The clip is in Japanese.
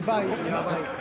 やばいか。